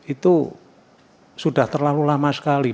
itu sudah terlalu lama sekali